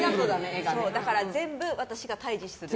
だから全部私が対峙する。